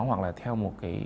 hoặc là theo một cái